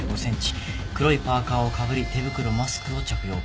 黒いパーカーをかぶり手袋マスクを着用。